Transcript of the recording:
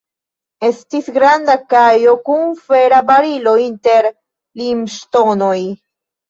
Estis granda kajo kun fera barilo inter limŝtonoj.